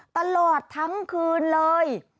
ตลอดทั้งคืนเลย